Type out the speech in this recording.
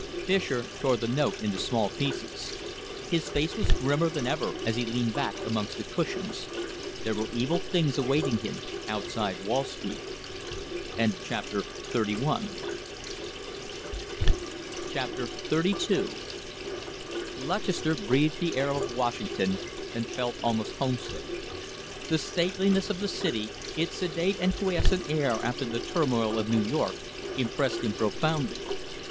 Fischer tore the note into small pieces. His face was grimmer than ever as he leaned back amongst the cushions. There were evil things awaiting him outside Wall Street. CHAPTER XXXII Lutchester breathed the air of Washington and felt almost homesick. The stateliness of the city, its sedate and quiescent air after the turmoil of New York, impressed him profoundly.